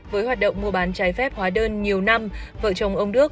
với hoạt động mua bán trái phép hóa đơn nhiều năm vợ chồng ông đức